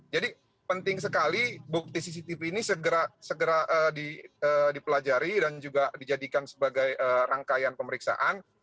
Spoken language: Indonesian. jadi penting sekali bukti cctv ini segera dipelajari dan juga dijadikan sebagai rangkaian pemeriksaan